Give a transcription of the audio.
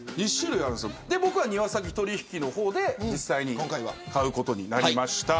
僕は、庭先取引の方で実際に買うことになりました。